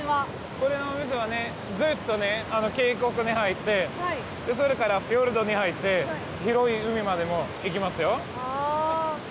この水はねずっとね渓谷に入ってそれからフィヨルドに入って広い海までも行きますよ。